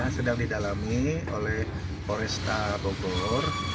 sedang didalami oleh poresta bogor